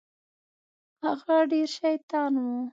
هغه ډېر شيطان و.